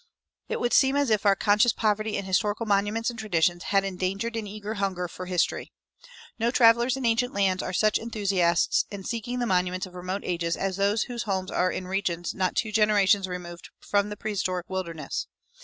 It would seem as if our conscious poverty in historical monuments and traditions had engendered an eager hunger for history. No travelers in ancient lands are such enthusiasts in seeking the monuments of remote ages as those whose homes are in regions not two generations removed from the prehistoric wilderness.